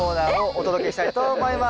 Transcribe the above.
お届けしたいと思います。